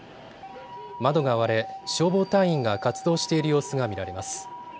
窓が割れ、消防隊員が活動している様子が見られます。